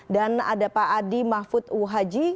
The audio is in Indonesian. dan ada pak adi mahfud uhaji